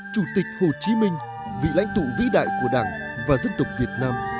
chủ tịch hồ chí minh vị lãnh tụ vĩ đại của đảng và dân tộc việt nam